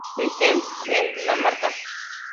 Christiansen en Dinamarca.